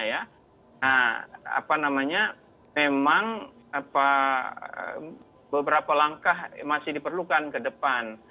nah apa namanya memang beberapa langkah masih diperlukan ke depan